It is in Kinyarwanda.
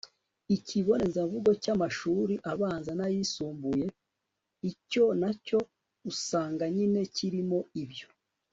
ikibonezamvugo cy'amashuri abanza n'ayisumbuye. icyo na cyo usanga nyine kirimo ibyo